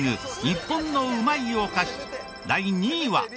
日本のうまいお菓子第２位は。